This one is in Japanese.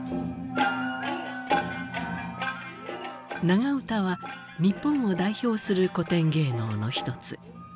長唄は日本を代表する古典芸能の一つ。